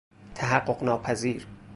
تحقق ناپذیر